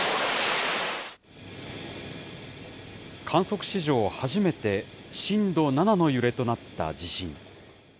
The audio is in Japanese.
観測史上初めて震度７の揺れとなった地震。